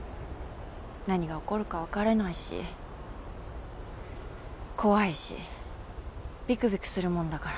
何が起こるか分からないし怖いしびくびくするもんだから。